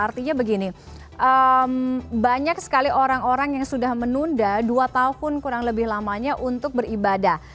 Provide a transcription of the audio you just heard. artinya begini banyak sekali orang orang yang sudah menunda dua tahun kurang lebih lamanya untuk beribadah